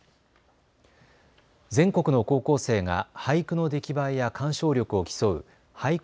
全国の高校生が俳句の出来栄えや鑑賞力を競う俳句